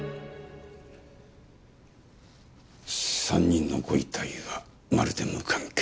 ３人のご遺体はまるで無関係。